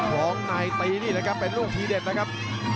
ของในตีนี่แหละครับเป็นลูกทีเด็ดนะครับ